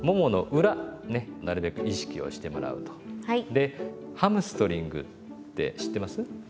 で「ハムストリング」って知ってます？